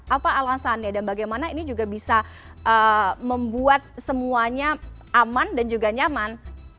apa alasannya dan bagaimana ini juga bisa membuat semuanya aman dan juga nyaman